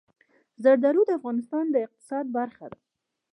زردالو د افغانستان د اقتصاد برخه ده.